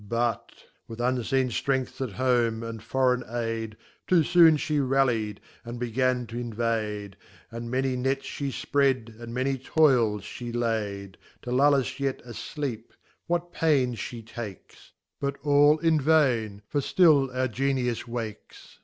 But With unfeen ftrcngths at home, and Forreign Aid, Too foon She ralli'd, and began t'invade, Andmany Nets me fprcad, and many Toils (he laid. To lull us yet atfeep, what pains (lie takes ! Bnt all in Vain, for ftill our Genius wakes.